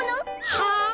はあ？